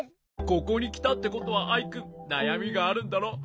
ここにきたってことはアイくんなやみがあるんだろう？